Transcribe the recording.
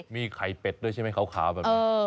มีไข่เป็ดด้วยใช่ไหมขาวแบบนี้